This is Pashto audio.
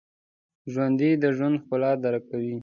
ژوندي د ژوند ښکلا درک کوي